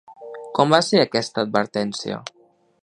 Com va ser aquesta advertència?